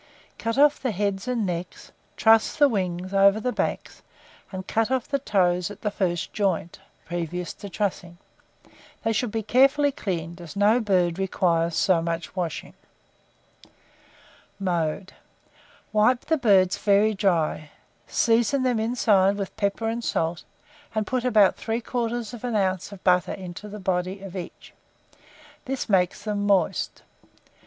Cut off the heads and necks, truss the wings over the backs, and cut off the toes at the first joint: previous to trussing, they should be carefully cleaned, as no bird requires so much washing. [Illustration: ROAST PIGEON.] Mode. Wipe the birds very dry, season them inside with pepper and salt, and put about 3/4 oz. of butter into the body of each: this makes them moist.